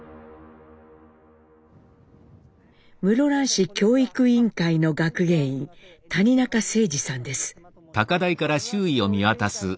室蘭市教育委員会の学芸員谷中聖治さんです。